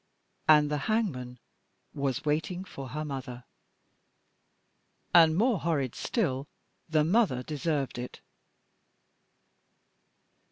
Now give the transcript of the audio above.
And the hangman was waiting for her mother and, more horrid still, the mother deserved it!